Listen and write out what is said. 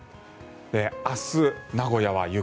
明日、名古屋は雪。